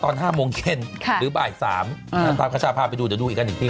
ตอน๕โมงเย็นหรือบ่าย๓ขชาพาไปดูเดี๋ยวดูอีกกันอีกที